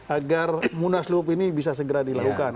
agar mudah mudahan ini bisa segera dilakukan